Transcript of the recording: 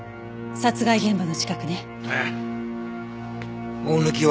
殺害現場の近くね。